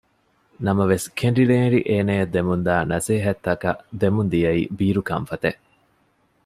ނަމަވެސް ކެނޑިނޭޅި އޭނާއަށް ދެމުންދާ ނަސޭހަތްތަކަށް ދެމުންދިޔައީ ބީރު ކަންފަތެއް